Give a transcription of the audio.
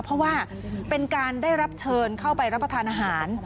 เพราะว่าเป็นการได้รับเชิญเข้าไปรับประทานอาหาร